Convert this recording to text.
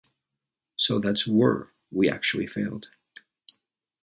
So that's were we actually failed.